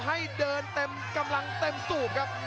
ให้เดินเต็มกำลังเต็มสูบครับ